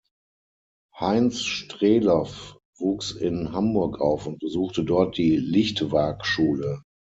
Heinz Strelow wuchs in Hamburg auf und besuchte dort die Lichtwarkschule.